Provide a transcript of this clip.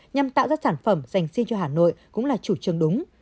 nhằm tạo ra sản phẩm dành xin cho hà nội cũng là chủ trương đúng